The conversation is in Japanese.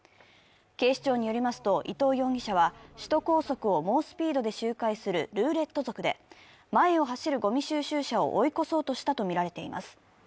警視庁によりますと、伊東容疑者は首都高速を猛スピードで周回するルーレット族で前を走るごみ収集車を追い越そうとしたとみられています。